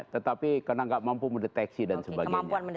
tetapi karena nggak mampu mendeteksi dan sebagainya